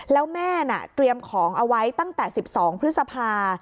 แล้วแม่น่ะเตรียมของเอาไว้ตั้งแต่๑๒พฤษภา